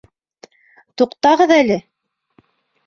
— Туҡтағыҙ әле.